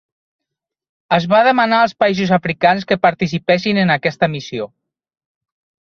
Es va demanar als països africans que participessin en aquesta missió.